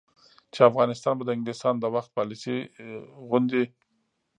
چې افغانستان به د انګلیسانو د وخت پالیسي غوندې،